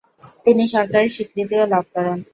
তিনি সরকারের স্বীকৃতিও লাভ করেন।